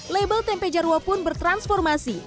label tempe jarwo pun bertransformasi